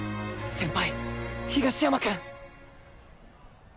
先輩東山君！